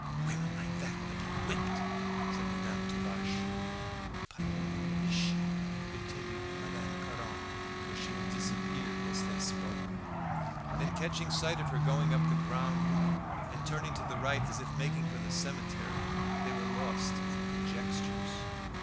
"Women like that ought to be whipped," said Madame Tuvache. "But where is she?" continued Madame Caron, for she had disappeared whilst they spoke; then catching sight of her going up the Grande Rue, and turning to the right as if making for the cemetery, they were lost in conjectures.